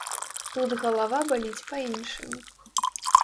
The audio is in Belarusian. Тут галава баліць па іншым.